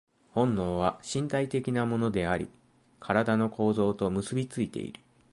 本能は身体的なものであり、身体の構造と結び付いている。